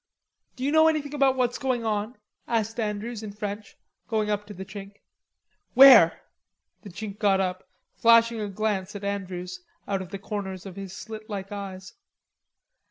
"D'you know anything about what's going on?" asked Andrews in French, going up to the Chink. "Where?" The Chink got up, flashing a glance at Andrews out of the corners of his slit like eyes.